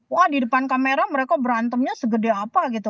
wah di depan kamera mereka berantemnya segede apa gitu